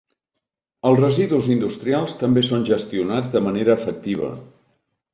Els residus industrials també són gestionats de manera efectiva.